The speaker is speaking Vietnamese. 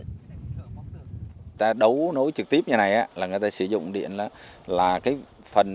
chúng ta đấu nối trực tiếp như này người ta sử dụng điện là phần